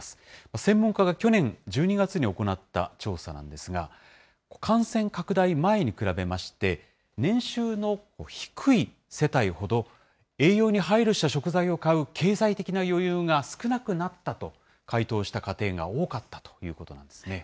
専門家が去年１２月に行った調査なんですが、感染拡大前に比べまして、年収の低い世帯ほど、栄養に配慮した食材を買う経済的な余裕が少なくなったと回答した家庭が多かったということなんですね。